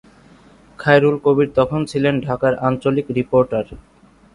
খায়রুল কবির তখন ছিলেন ঢাকার আঞ্চলিক রিপোর্টার।